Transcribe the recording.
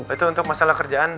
itu untuk masalah kerjaan